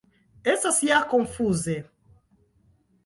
Estas ja konfuze.